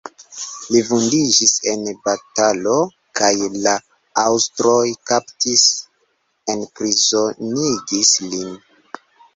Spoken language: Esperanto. Li vundiĝis en batalo kaj la aŭstroj kaptis, enprizonigis lin.